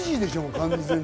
完全に。